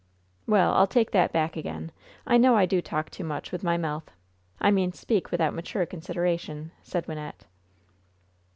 "Well, I'll take that back again! I know I do talk too much with my mouth I mean speak without mature consideration," said Wynnette.